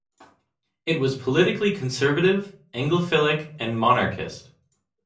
It was politically conservative, Anglophilic, and monarchist.